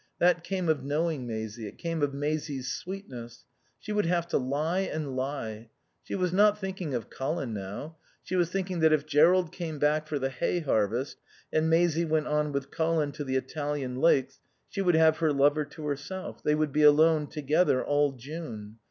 That came of knowing Maisie; it came of Maisie's sweetness. She would have to lie and lie. She was not thinking of Colin now; she was thinking that if Jerrold came back for the hay harvest and Maisie went on with Colin to the Italian Lakes, she would have her lover to herself; they would be alone together all June.